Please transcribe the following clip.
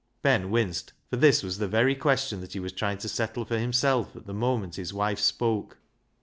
Ben winced, for this was the very question he was trying to settle for himself at the moment his wife spoke.